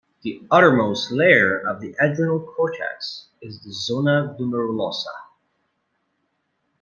The outermost layer of the adrenal cortex is the zona glomerulosa.